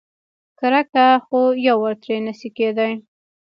کرکه خو یوار ترې نشي کېدای.